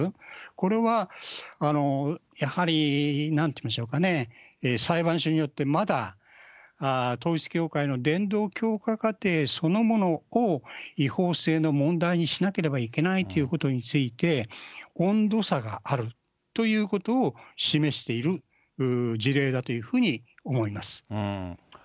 これはやはり、なんて言いましょうかね、裁判所によってまだ統一教会の伝道教化過程そのものを、違法性の問題にしなければいけないということについて、温度差があるということを示している事例だというふうに思います。